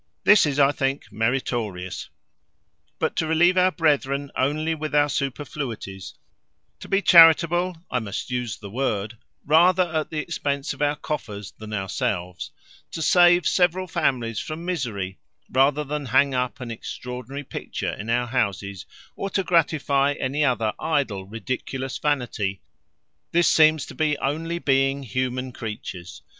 This is, I think, meritorious; but to relieve our brethren only with our superfluities; to be charitable (I must use the word) rather at the expense of our coffers than ourselves; to save several families from misery rather than hang up an extraordinary picture in our houses or gratify any other idle ridiculous vanity this seems to be only being human creatures.